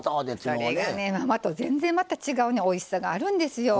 それがね生と全然また違うねおいしさがあるんですよ。